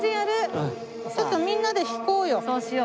ちょっとみんなで引こうよ。